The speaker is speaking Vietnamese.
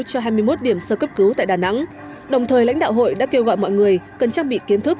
cho hai mươi một điểm sơ cấp cứu tại đà nẵng đồng thời lãnh đạo hội đã kêu gọi mọi người cần trang bị kiến thức